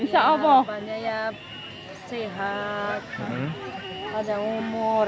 harapannya ya sehat panjang umur